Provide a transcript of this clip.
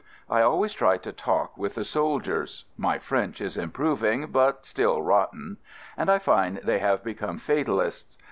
I always try to talk with the sol diers (my French is improving, but still rotten) and I find they have become fatal ists.